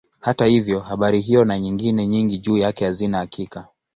Hata hivyo habari hiyo na nyingine nyingi juu yake hazina hakika.